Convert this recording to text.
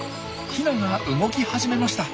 ヒナが動き始めました。